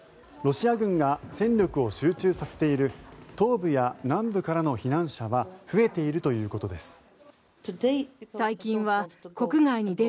ロシア軍が戦力を集中させている東部や南部からの避難者は増えているということです。